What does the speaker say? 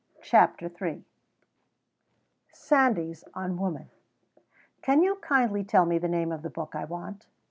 CHAPTER III SANDYS ON WOMAN "Can you kindly tell me the name of the book I want?"